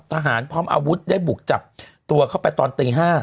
พร้อมอาวุธได้บุกจับตัวเข้าไปตอนตี๕